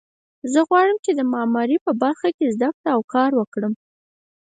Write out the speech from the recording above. زه غواړم چې د معماري په برخه کې زده کړه او کار وکړم